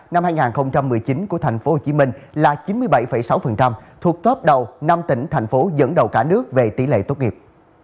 năm hai nghìn một mươi chín của tp hcm là chín mươi bảy sáu thuộc top đầu năm tỉnh thành phố dẫn đầu cả nước về tỷ lệ tốt nghiệp